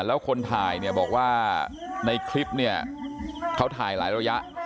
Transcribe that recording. แล้วคนถ่ายเนี่ยบอกว่าในคลิปเนี่ยเขาถ่ายหลายระยะ